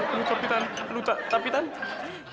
lutuh lutuh tante lutuh tapi tante